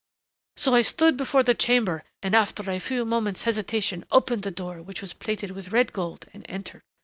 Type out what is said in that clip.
"So I stood before the chamber, and after a few moments' hesitation, opened the door which was plated with red gold and entered.